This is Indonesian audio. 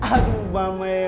aduh pak mai